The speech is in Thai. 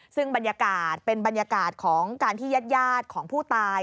ซึ่งบรรยากาศเป็นบรรยากาศของการที่ญาติของผู้ตาย